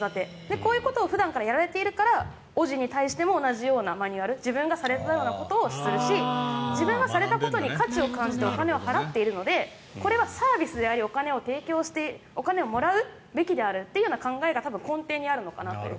こういうことを普段やられているからおぢに対しても同じようなマニュアル自分がされたようなことをするし自分がされたことに価値を感じてお金を払っているのでこれはサービスであってお金をもらうべきであるという考えが根底にあるのかなと。